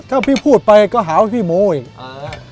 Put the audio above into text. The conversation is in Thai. ถ้าพี่พูดไปก็หาว่าพี่โมอีกอ่า